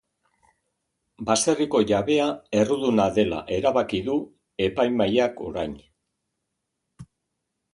Baserriko jabea erruduna dela erabaki du epaimahaiak orain.